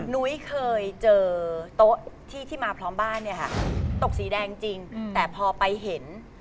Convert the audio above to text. นุ้ยเคยเจอโต๊ะที่ที่มาพร้อมบ้านเนี่ยค่ะตกสีแดงจริงแต่พอไปเห็น